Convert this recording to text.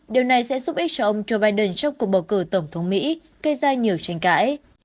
điều này sẽ giúp ích cho ông joe biden trong cuộc bầu cử tổng thống mỹ gây ra nhiều tranh cãi